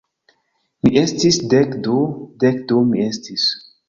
Mi estis dek du... dek du mi estis